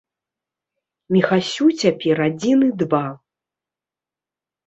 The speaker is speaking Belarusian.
Міхасю цяпер адзін і два.